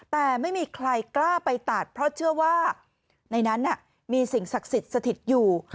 แต่ไม่มีใครกล้าไปตัดเพราะเชื่อว่าในนั้นมีสิ่งศักดิ์สิทธิ์สถิตอยู่